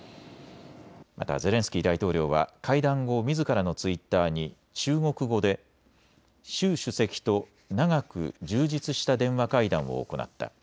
またゼレンスキー大統領は会談後、みずからのツイッターに中国語で習主席と長く充実した電話会談を行った。